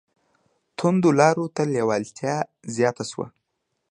توندو لارو ته لېوالتیا زیاته شوه